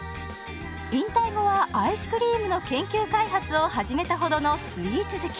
引退後はアイスクリームの研究開発を始めたほどのスイーツ好き。